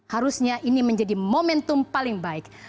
harusnya ini menjadi momentum paling baik